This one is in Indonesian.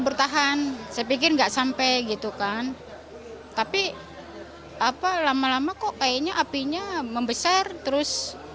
bertahan saya pikir enggak sampai gitu kan tapi apa lama lama kok kayaknya apinya membesar terus